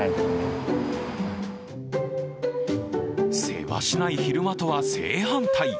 せわしない昼間とは正反対。